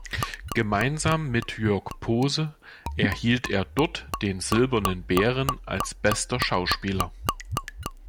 Gemeinsam mit Jörg Pose erhielt er dort den "Silbernen Bären" als "Bester Schauspieler".